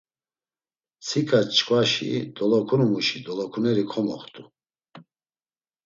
Mtsika çkvaşi dolokunu muşi dolokuneri komoxtu.